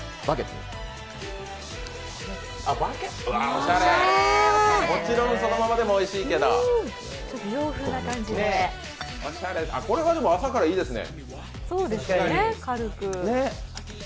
もちろんそのままでもおいしいけど、これは朝からいいですね。